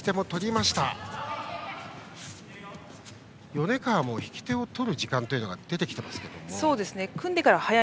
米川も引き手を取る時間が出てきています。